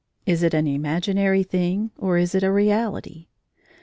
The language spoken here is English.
Is it an imaginary thing, or is it a reality?